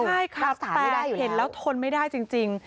ใช่ค่ะแต่เห็นแล้วทนไม่ได้จริง